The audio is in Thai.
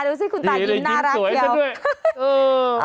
ดูสิคุณตายิ้มน่ารักเกี่ยวดีเลยยิ้มสวยซะด้วย